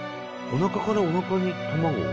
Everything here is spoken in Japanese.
おなかからおなかに卵を？